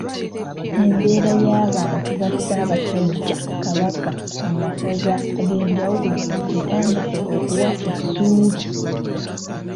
Embeera y'abantu ba Ssaabasajja Kabaka mu masaza ag'enjawulo etandise okuwa essuubi.